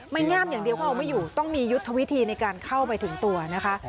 มันง่ามอย่างเดียวก็เอาไม่อยู่ต้องมียุทธวิธีในการเข้าไปถึงตัวนะคะ